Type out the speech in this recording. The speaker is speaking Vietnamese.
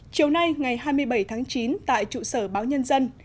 chiều nay ngày hai mươi bảy tháng chín tại trụ sở báo nhân dân